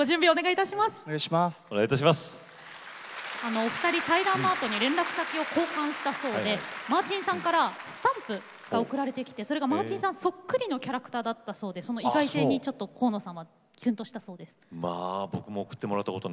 お二人対談のあとに連絡先を交換したそうでマーチンさんから、スタンプが送られたそうで、それがマーチンさんそっくりなキャラクターだったそうでその意外性にキュンとしたそうです。